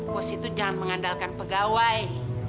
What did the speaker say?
bos itu jangan mengandalkan pegawai